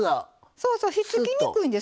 そうそうひっつきにくいんです。